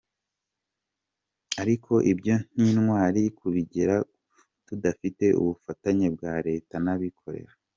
Ariko ibyo ntitwari kubigera tudafite ubufatanye bwa leta n’abikorera.